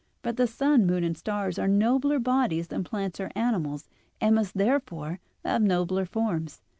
But the sun, moon, and stars are nobler bodies than plants or animals, and must therefore have nobler forms.